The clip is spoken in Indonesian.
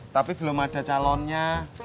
tapi belum ada calonnya